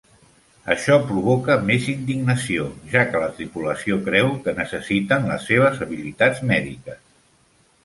Això provoca més indignació, ja que la tripulació creu que necessiten les seves habilitats mèdiques.